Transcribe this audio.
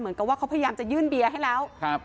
เหมือนกับว่าเขาพยายามจะยื่นเบียร์ให้แล้วครับ